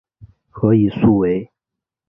何以速为。